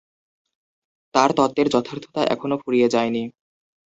তার তত্ত্বের যথার্থতা এখনো ফুরিয়ে যায়নি।